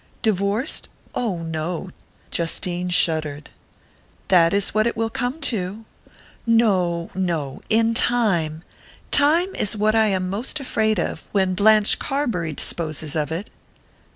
"Divorced ? Oh, no," Justine shuddered. "That is what it will come to." "No, no! In time " "Time is what I am most afraid of, when Blanche Carbury disposes of it."